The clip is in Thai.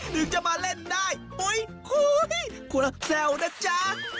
นึกจะมาเล่นได้คุณแซวนะจ๊ะ